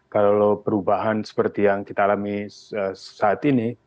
kalau perubahan seperti yang kita alami saat ini